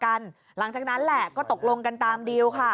หรือเป็นตัวประกันหลังจากนั้นแหละก็ตกลงกันตามดีลค่ะ